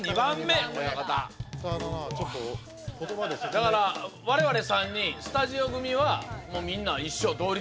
だから我々３人スタジオ組はみんな一緒同率。